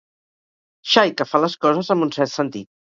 Xai que fa les coses amb un cert sentit.